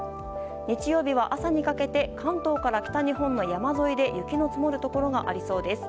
日曜日は朝にかけて関東から北日本の山沿いで雪の積もるところがありそうです。